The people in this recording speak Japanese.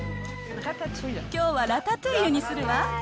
きょうはラタトゥイユにするわ。